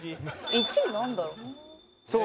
１位なんだろう？